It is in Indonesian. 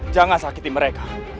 jangan sakiti mereka